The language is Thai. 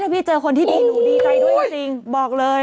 พี่เจอคนที่ดีหนูดีใจด้วยจริงบอกเลย